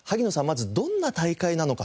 まずどんな大会なのか